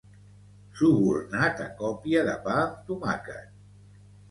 Subornat a còpia de pa amb tomàquet.